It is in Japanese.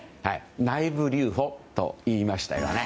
内部留保といいましたよね。